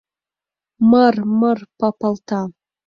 Мыр-р, мыр-р папалта.